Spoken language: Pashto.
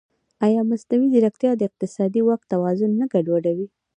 ایا مصنوعي ځیرکتیا د اقتصادي واک توازن نه ګډوډوي؟